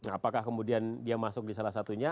apakah kemudian dia masuk di salah satunya